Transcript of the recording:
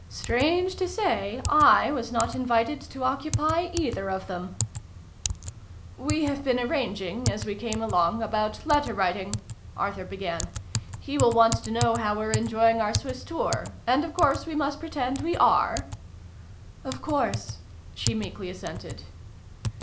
Strange to say, / was not invited to occupy either of them ! vill] IN A SHADY PLACE. 115 "We have been arranging, as we came along, about letter writing," Arthur began. " He will want to know how we're enjoying our Swiss tour : and of course we must pretend we are ?"" Of course," she meekly assented.